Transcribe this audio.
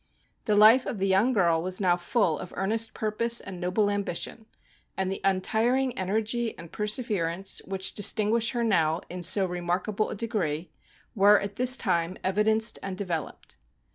The life of the young girl was now full of earnest purpose and noble ambition, and the untiring energy and perseverance which distinguish her now in so remarkable a de gree, were at this time evidenced and devel oped.